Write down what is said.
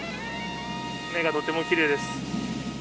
目がとってもきれいです。